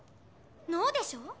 ノーでしょ？